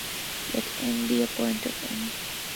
Let "m" be a point on "M".